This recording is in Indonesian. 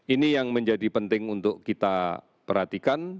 ini yang menjadi penting untuk kita perhatikan